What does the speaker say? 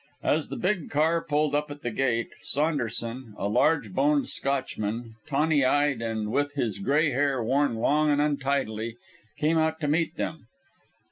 As the big car pulled up at the gate, Saunderson, a large boned Scotchman, tawny eyed, and with his grey hair worn long and untidily, came out to meet them.